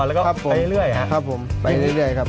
แล้วก็ไปเรื่อยครับผมไปเรื่อยครับ